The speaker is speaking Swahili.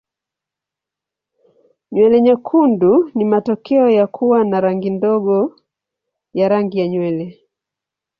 Nywele nyekundu ni matokeo ya kuwa na rangi ndogo ya rangi ya nywele.